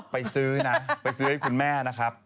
ไปซื้อนะไปซื้อให้คุณแม่นะครับ